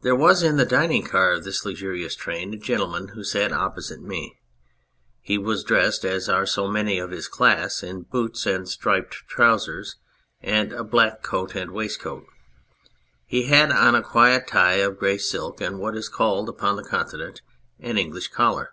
There was in the dining car of this luxurious train a gentleman who sat opposite me. He was dressed, as are so many of his class, in boots and striped trousers and a black coat and waistcoat. He had 011 a quiet tie of grey silk and what is called upon the Continent an English collar.